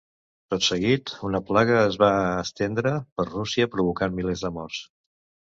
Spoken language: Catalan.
Tot seguit una plaga es va estendre per Rússia provocant milers de morts.